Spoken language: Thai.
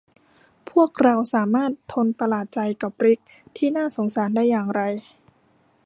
พวกเราสามารถทนประหลาดใจกับริกซ์ที่น่าสงสารได้อย่างไร